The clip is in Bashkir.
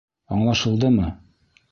Аңлашылдымы!?